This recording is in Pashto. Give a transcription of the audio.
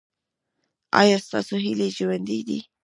ایا ستاسو هیلې ژوندۍ دي؟